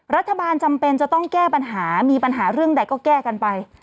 รัฐบาลจำเป็นจะต้องแก้ปัญหามีปัญหาเรื่องใดก็แก้กันไป